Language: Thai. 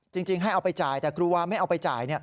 จริงให้เอาไปจ่ายแต่ครูวาไม่เอาไปจ่าย